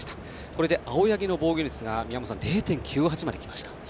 これで青柳の防御率が０．９８まできました。